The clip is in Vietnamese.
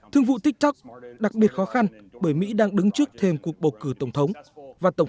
thương vụ tiktok đặc biệt khó khăn bởi mỹ đang đứng trước thêm cuộc bầu cử tổng thống và tổng